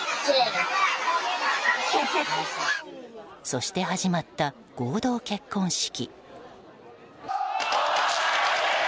そして始まった合同結婚式。